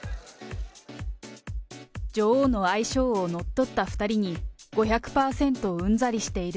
女王の愛称を乗っ取った２人に５００％うんざりしている。